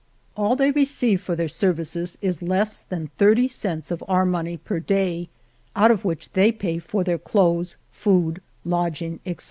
All they receive for their .^^^^^ services is less than thirty cents of our money per day, out of which they pay for their clothes, food, lodging, etc.